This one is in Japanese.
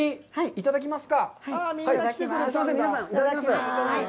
いただきます。